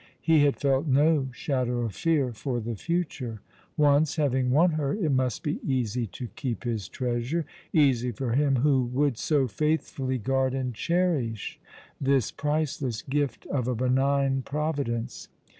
He had felt no shadow of fear for the future. Once having won her, it must be easy to keep his treasure— easy for him who would so faithfully guard and cherish this priceless gift of a benign Providence.